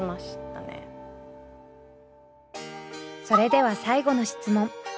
それでは最後の質問。